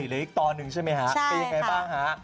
หรืออีกตอนหนึ่งใช่ไหมฮะเป็นยังไงบ้างฮะ